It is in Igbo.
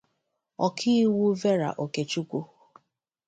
Ọkaiwu Vera Okechukwu